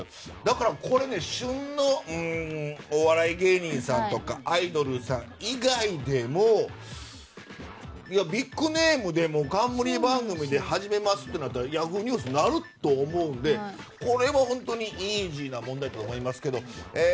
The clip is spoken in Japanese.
これ旬のお笑い芸人さんとかアイドルさん以外でもビッグネームで冠番組で始めますとなったらＹａｈｏｏ！ニュースになると思うんでこれは本当にイージーな問題だと思いますけど。